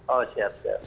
oh siap siap